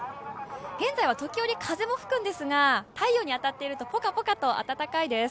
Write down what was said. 現在は時折、風も吹くんですが、太陽に当たっていると、ポカポカと暖かいです。